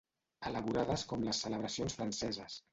Elaborades com les celebracions franceses.